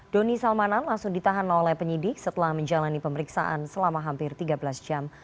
doni salmanan langsung ditahan oleh penyidik setelah menjalani pemeriksaan selama hampir tiga belas jam